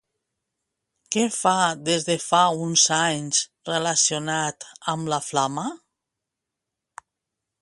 Què fa des de fa uns anys relacionat amb la Flama?